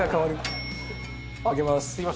開けます。